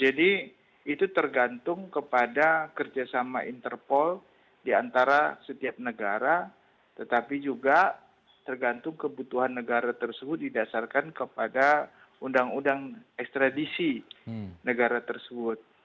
jadi itu tergantung kepada kerja sama interpol di antara setiap negara tetapi juga tergantung kebutuhan negara tersebut didasarkan kepada undang undang ekstradisi negara tersebut